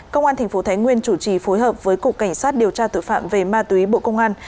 công an tp thái nguyên chủ trì phối hợp với cục cảnh sát điều tra tội phạm về ma túy bộ công an